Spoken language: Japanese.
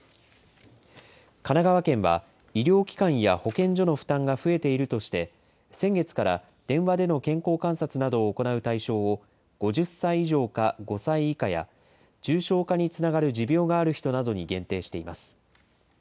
神奈川県は医療機関や保健所の負担が増えているとして、先月から電話での健康観察などを行う対象を５０歳以上か５歳以下や、重症化につながる持病がある人などに限定しています。